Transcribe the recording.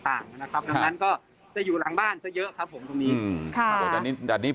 เพราะงั้นก็จะอยู่หลางบ้านเฉินเยอะครับผมตรงนี้